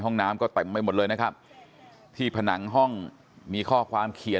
ห้องน้ำก็เต็มไปหมดเลยนะครับที่ผนังห้องมีข้อความเขียน